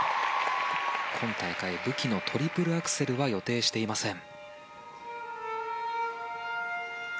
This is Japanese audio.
今大会武器のトリプルアクセルは予定していません。